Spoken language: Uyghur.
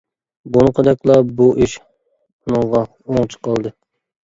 بۇرۇنقىدەكلا، بۇ ئىش ئۇنىڭغا ئوڭچە قالدى.